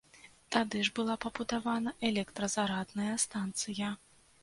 Тады ж была пабудавана электразарадная станцыя.